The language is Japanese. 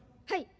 はい！